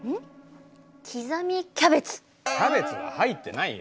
キャベツは入ってないよ！